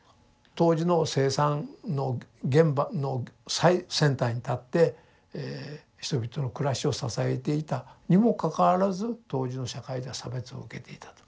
当時の生産の現場の最先端に立って人々の暮らしを支えていたにもかかわらず当時の社会では差別を受けていたと。